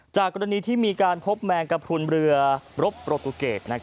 กรณีที่มีการพบแมงกระพรุนเรือรบโปรตูเกต